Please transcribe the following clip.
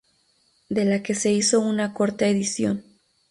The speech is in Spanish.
De la que se hizo una corta edición.